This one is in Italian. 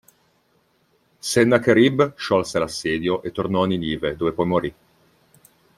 Sennacherib sciolse l'assedio e tornò a Ninive dove poi morì.